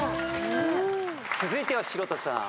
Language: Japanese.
続いては城田さん。